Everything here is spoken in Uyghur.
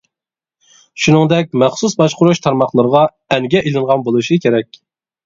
شۇنىڭدەك مەخسۇس باشقۇرۇش تارماقلىرىغا ئەنگە ئېلىنغان بولۇشى كېرەك.